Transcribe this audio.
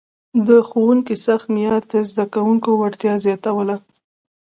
د ښوونکي سخت معیار د زده کوونکو وړتیا زیاتوله.